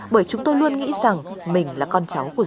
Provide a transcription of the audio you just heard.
bởi chúng tôi luôn nghĩ rằng mình là con cháu của rồng